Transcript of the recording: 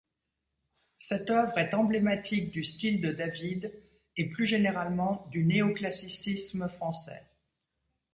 Cette œuvre est emblématique du style de David et plus généralement du néoclassicisme français.